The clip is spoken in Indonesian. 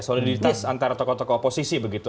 soliditas antara tokoh tokoh oposisi begitu